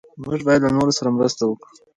موږ باید له نورو سره مرسته وکړو.